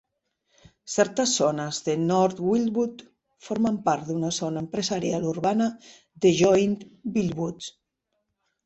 Certes zones de North Wildwood formen part d'una zona empresarial urbana de Joint Wildwoods.